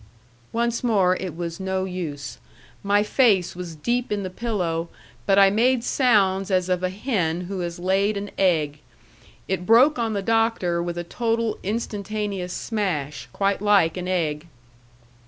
Once more it was no use. My face was deep in the pillow, but I made sounds as of a hen who has laid an egg. It broke on the Doctor with a total instantaneous smash, quite like an egg.